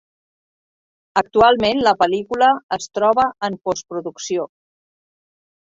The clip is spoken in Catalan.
Actualment la pel·lícula es troba en Postproducció.